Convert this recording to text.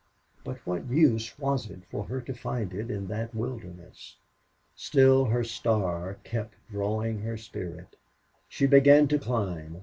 But what use was it for her to find it in that wilderness? Still, her star kept drawing her spirit. She began to climb.